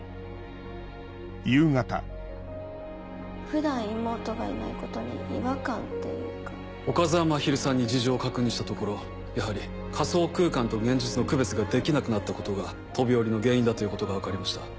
普段妹がいないことに違岡澤まひるさんに事情を確認したところやはり仮想空間と現実の区別ができなくなったことが飛び降りの原因だということが分かりました。